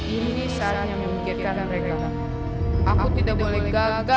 ini saatnya memikirkan mereka